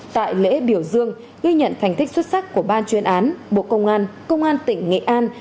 tại lễ biểu dương ghi nhận thành tích xuất sắc của ban chuyên án bộ công an công an tỉnh nghệ an